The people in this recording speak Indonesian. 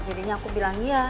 jadinya aku bilang ya